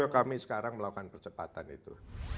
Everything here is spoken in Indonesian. kami sekarang melakukan percepatan itu